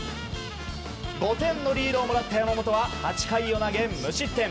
５点のリードをもらった山本は８回を投げ無失点。